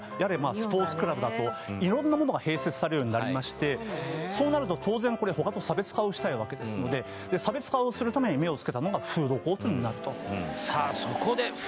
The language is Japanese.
スポーツクラブだと色んなものが併設されるようになりましてそうなると当然これ他と差別化をしたいわけですので差別化をするために目をつけたのがフードコートになるとさあ